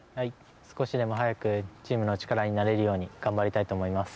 少しでも早くチームの力になれるように頑張りたいと思います。